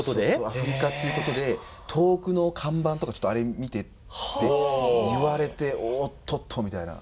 アフリカっていうことで遠くの看板とか「あれ見て」って言われておっとっとみたいなことは結構。